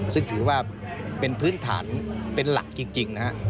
ซึ่งถือว่าเป็นพื้นฐานเป็นหลักจริงนะฮะ